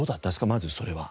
まずそれは。